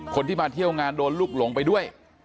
คนที่มาเที่ยวงานโดนลูกหลงไปด้วย